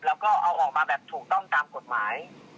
แล้วก็เอาออกมาแบบถูกต้องตามกฎหมาย